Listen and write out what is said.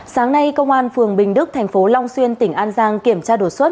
sáng nay công an phường bình đức thành phố long xuyên tỉnh an giang kiểm tra đột xuất